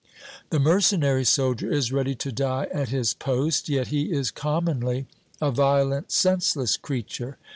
The mercenary soldier is ready to die at his post; yet he is commonly a violent, senseless creature.